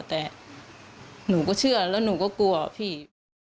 แต่หนูก็เชื่อแล้วหนูก็กลัวพี่